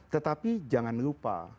tetapi jangan lupa